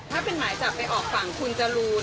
ถ้าเป็นหมายจับไปออกฝั่งคุณจรูน